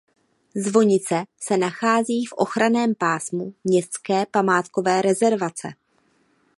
Zvonice se nachází v ochranném pásmu městské památkové rezervace.